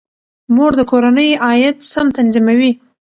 مور د کورنۍ عاید سم تنظیموي.